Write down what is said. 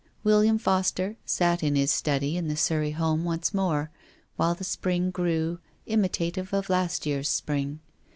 " William Foster " sat in his study in the Surrey home once more, while the spring grew, imitative of last year's spring.